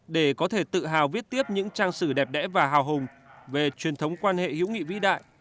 để có thể tự hào viết tiếp những trang sử đẹp đẽ và hào hùng về truyền thống quan hệ hữu nghị vĩ đại